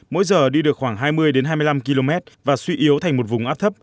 mỗi giờ đi được khoảng hai mươi hai mươi năm km và suy yếu thành một vùng áp thấp